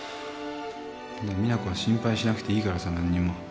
実那子は心配しなくていいからさ何にも。